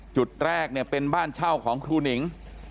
จุดแรกเนี่ยเป็นบ้านเช่าของครูหนิง